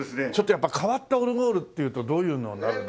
変わったオルゴールっていうとどういうのになるんですか？